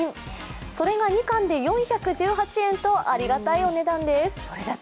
それが２貫で４１８円とありがたいお値段です。